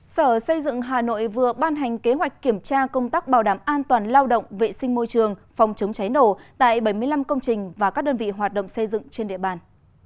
sở xây dựng hà nội vừa ban hành kế hoạch kiểm tra công tác bảo đảm an toàn lao động vệ sinh môi trường phòng chống cháy nổ tại bảy mươi năm công trình và các đơn vị hoạt động xây dựng trên địa bàn